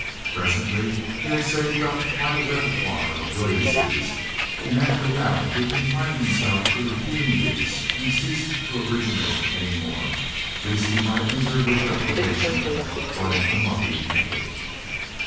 Presently he had saved up quite a repertoire of brilliancies; and after that he confined himself to repeating these and ceased to originate any more, lest he might injure his reputation by an unlucky effort.